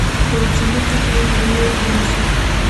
په سمینټو کې به یې ونیسو.